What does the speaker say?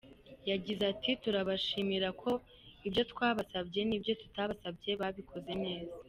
Yagize ati “Turabashimira ko ibyo twabasabye n’ibyo tutabasabye babikoze neza.